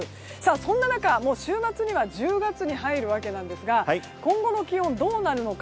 そんな中、週末には１０月に入るわけですが今後の気温どうなるのか。